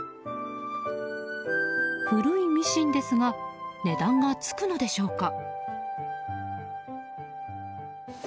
古いミシンですが値段がつくのでしょうか。